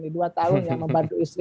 dua tahun ya membantu istri